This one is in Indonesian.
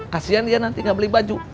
kasian dia nanti nggak beli baju